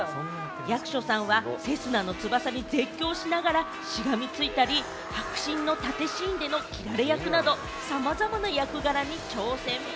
役所さんはセスナの翼に絶叫しながらしがみついたり、迫真の殺陣シーンでの斬られ役など、さまざまな役柄に挑戦。